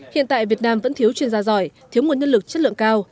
hiện tại việt nam vẫn thiếu chuyên gia giỏi thiếu nguồn nhân lực chất lượng cao